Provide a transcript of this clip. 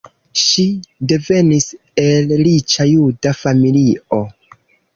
Ŝi devenis el riĉa juda familio.